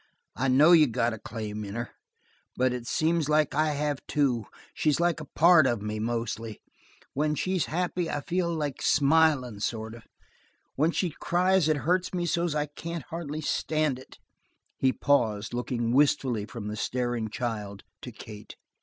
I know you got a claim in her. But it seems like I have, too. She's like a part of me, mostly. When she's happy, I feel like smilin' sort of. When she cries it hurts me so's I can't hardly stand it." He paused, looking wistfully from the staring child to Kate.